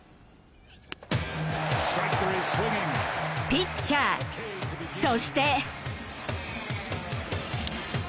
ピッチャーそして